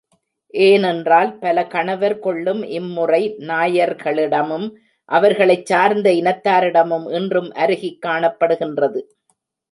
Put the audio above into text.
ஏனென்றால் பல கணவர் கொள்ளும் இம்முறை நாயர்களிடமும், அவர்களைச் சார்ந்த இனத்தாரிடமும் இன்றும் அருகிக் காணப்படுகின்றது.